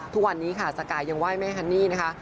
ทุกวันนี้ค่ะสกายยังไห้แม่ฮันนี่นะคะ